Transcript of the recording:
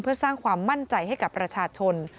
เพื่อสร้างความมั่นใจให้กับประชาชน